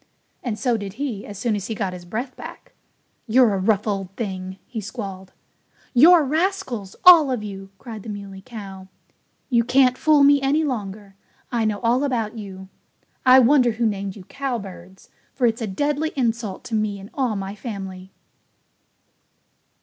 And so did he as soon as he got his breath back. "You're a rough old thing!" he squalled. "You're rascals all of you!" cried the Muley Cow. "You can't fool me any longer. I know all about you. I wonder who named you cowbirds, for it's a deadly insult to me and all my family."